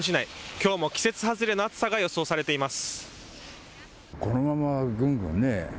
きょうも季節外れの暑さが予想されています。